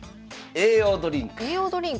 栄養ドリンク。